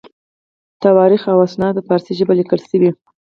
تواریخ او اسناد په فارسي ژبه لیکل شوي.